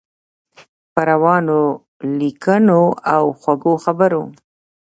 په روانو لیکنو او خوږو خبرو.